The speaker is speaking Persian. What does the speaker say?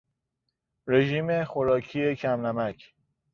رژیم خوراکی کم نمک